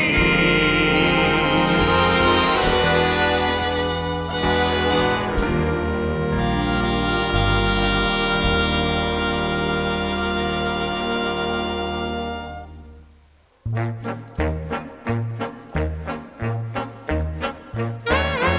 รักจนหมดสิ้นใจ